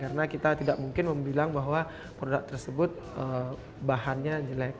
karena kita tidak mungkin memperkenalkan bahwa produk tersebut bahannya jelek